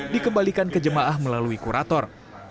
dikembalikan ke jemaah melalui kurator